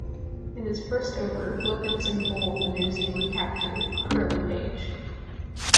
In his first over, Wilkinson bowled the New Zealand captain, Curly Page.